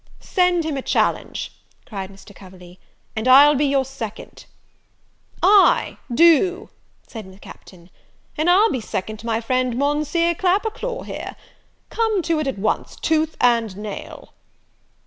"Send him a challenge," cried Mr. Coverley, "and I'll be your second." "Ay, do," said the Captain; "and I'll be second to my friend, Monseer Clapperclaw here. Come to it at once! tooth and nail!"